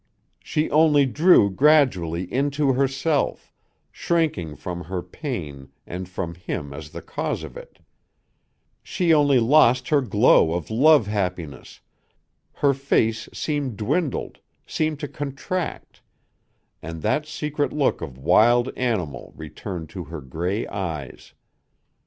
She only drew gradually into herself, shrinking from her pain and from him as the cause of it; she only lost her glow of love happiness, her face seemed dwindled, seemed to contract, and that secret look of a wild animal returned to her gray eyes.